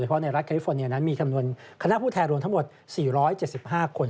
เพราะในรัฐแคลิฟอร์เนียนั้นมีคำนวณคณะผู้แทนรวมทั้งหมด๔๗๕คน